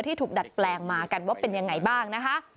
ที่ถูกดัดแปลงมากันว่าเป็นอย่างไรบ้าง